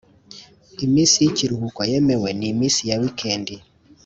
Iminsi y ikiruhuko yemewe n iminsi ya weekend